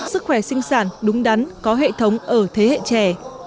sức khỏe sinh sản đúng đắn có hệ thống ở thế hệ trẻ